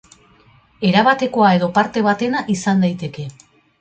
Erabatekoa edo parte batena izan daiteke.